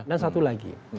dan satu lagi